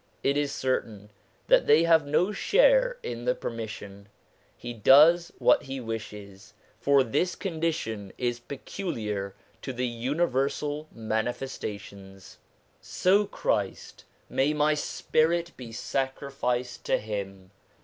It is certain that they have no share in the permission * He does what He wishes/ for this condition is peculiar to the universal Manifestations. So Christ may my spirit be sacrificed to him